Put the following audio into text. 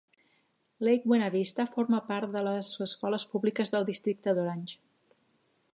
Lake Buena Vista forma part de les escoles públiques del districte d'Orange.